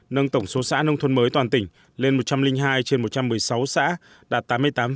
nâng tổng số xã nông thôn mới toàn tỉnh lên một trăm linh hai trên một trăm một mươi sáu xã đạt tám mươi tám